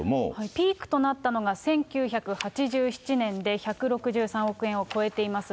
ピークとなったのが１９８７年で１６３億円を超えています。